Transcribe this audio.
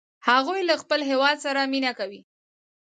هغوی له خپل هیواد سره مینه کوي